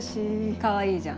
かわいいじゃん。